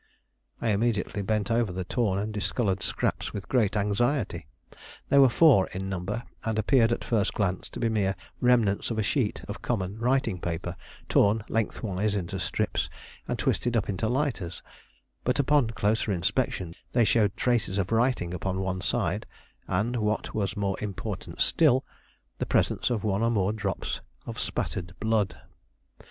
I immediately bent over the torn and discolored scraps with great anxiety. They were four in number, and appeared at first glance to be the mere remnants of a sheet of common writing paper, torn lengthwise into strips, and twisted up into lighters; but, upon closer inspection, they showed traces of writing upon one side, and, what was more important still, the presence of one or more drops of spattered blood.